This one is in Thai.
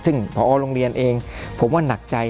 ซึ่งพอโรงเรียนเองผมว่าหนักใจ